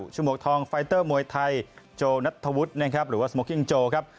ฉมวกทองไฟเตอร์มวยไทยโจนัทธวุฒินะครับหรือว่าสโมกิ้งโจครับ